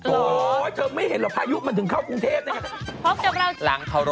โอ้โหเธอไม่เห็นหรอกพายุมันถึงเข้ากรุงเทพนะครับ